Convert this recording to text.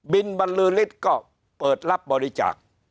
บรรลือฤทธิ์ก็เปิดรับบริจาค